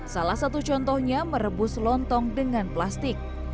salah satu contohnya merebus lontong dengan plastik